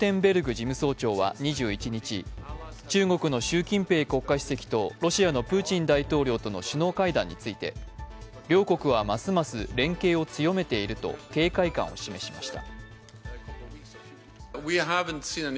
事務総長は２１日、中国の習近平国家主席とロシアのプーチン大統領との首脳会談について、両国は、ますます連携を強めていると警戒感を示しました。